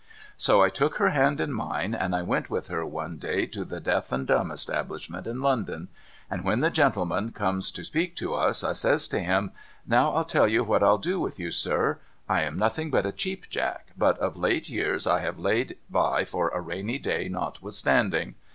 So I took her hand in mine, and I went with her one day to the Deaf and Dumb Establishment in London, and when the gentleman come to speak to us, I says to him :' Now I'll tell you what I'll do with you, sir. I am nothing but a Cheap Jack, but of late years I have laid by for a rainy day notwithstanding.